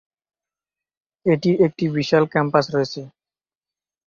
এটির একটি বিশাল ক্যাম্পাস রয়েছে।